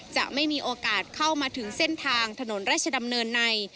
จะไม่มีโอกาสเข้ามาถึงเส้นทางถนนราชดำเนินใน